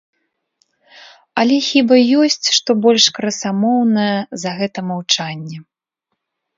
Але хіба ёсць што больш красамоўнае, за гэта маўчанне.